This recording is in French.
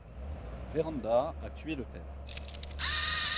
Vérand’a a tué le père.